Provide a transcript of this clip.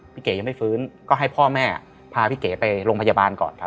เก๋ยังไม่ฟื้นก็ให้พ่อแม่พาพี่เก๋ไปโรงพยาบาลก่อนครับ